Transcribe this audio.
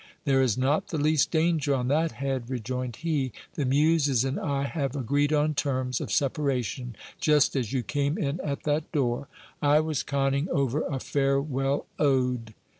There is not the least danger on that head, rejoined he : the Muses and I have agreed on terms of separation : just as you came in at that door, I was conning ever a farewell ode.